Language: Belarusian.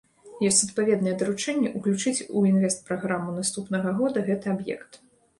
Ёсць адпаведнае даручэнне ўключыць у інвестпраграму наступнага года гэты аб'ект.